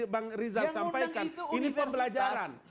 bang rizal sampaikan ini pembelajaran